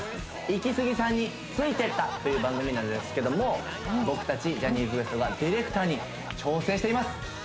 「イキスギさんについてった」という番組なんですけども僕たちジャニーズＷＥＳＴがディレクターに挑戦しています